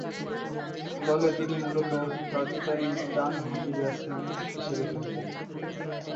দলে তিনি মূলতঃ কার্যকরী ডানহাতি ব্যাটসম্যান হিসেবে খেলতেন।